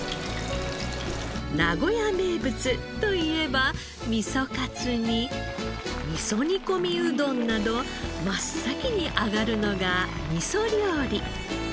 名古屋名物といえば味噌カツに味噌煮込みうどんなど真っ先に挙がるのが味噌料理。